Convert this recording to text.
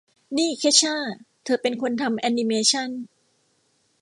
นี่เคชช่า เธอเป็นคนทำแอนิเมชั่น